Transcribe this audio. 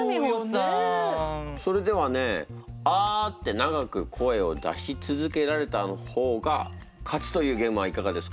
それではね「あ」って長く声を出し続けられた方が勝ちというゲームはいかがですか？